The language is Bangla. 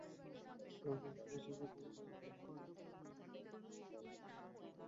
আগামী জানুয়ারি মাসের মাঝামাঝি দুই দেশে পররাষ্ট্রসচিব পর্যায়ে আলোচনা হবে বলে কথা রয়েছে।